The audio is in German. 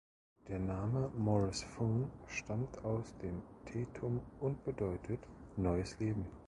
Der Name „Moris Foun“ stammt aus dem Tetum und bedeutet „Neues Leben“.